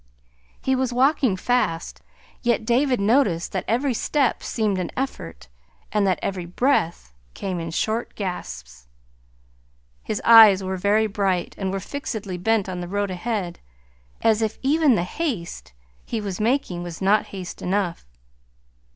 He was walking fast, yet David noticed that every step seemed an effort, and that every breath came in short gasps. His eyes were very bright, and were fixedly bent on the road ahead, as if even the haste he was making was not haste enough.